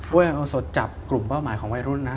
วัยอันนโนสดจับกลุ่มเป้าหมายของวัยรุ่นนะ